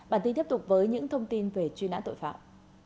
bản tin tiếp tục với những thông tin về truy nã tội phạm